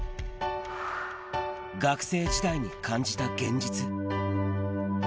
学生時代に感じた現実。